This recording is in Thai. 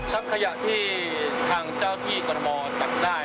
ทั้งขยะที่ทางเจ้าที่กรรมมรตักได้